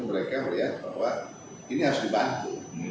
mereka melihat bahwa ini harus dibantu